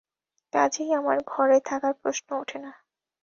কাজেই আমার ঘরে থাকার প্রশ্ন ওঠে না।